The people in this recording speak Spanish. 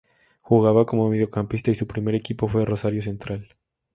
Jugaba como mediocampista y su primer equipo fue Rosario Central.